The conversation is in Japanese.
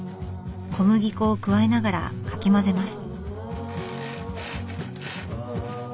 小麦粉を加えながらかき混ぜます。